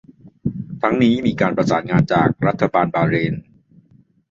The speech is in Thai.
ทั้งนี้มีการประสานงานจากรัฐบาลบาห์เรน